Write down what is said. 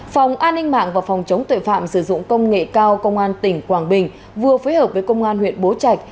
phòng an ninh mạng và phòng chống tuệ phạm sử dụng công nghệ cao công an tỉnh quảng bình vừa phối hợp với công an huyện bố trạch